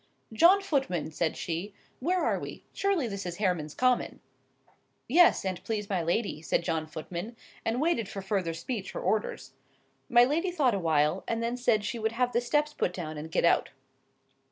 "John Footman," said she, "where are we? Surely this is Hareman's Common." "Yes, an't please my lady," said John Footman, and waited for further speech or orders. My lady thought a while, and then said she would have the steps put down and get out.